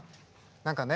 何かね